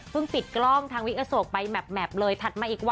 ปิดกล้องทางวิกโศกไปแมพเลยถัดมาอีกวัน